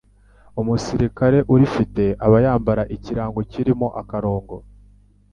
umusirikare urifite aba yambara ikirango kirimo akarongo